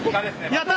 やった！